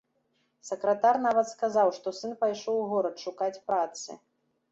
Сакратар нават сказаў, што сын пайшоў у горад шукаць працы.